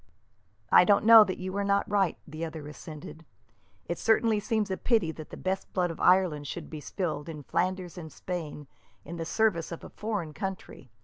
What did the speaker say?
"I don't know that you are not right," the other assented. "It certainly seems a pity that the best blood of Ireland should be spilled, in Flanders and Spain, in the service of a foreign country.